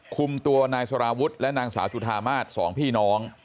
คุมตัวนายสารวุฒิและนางสาวจุธามาศสองพี่น้อง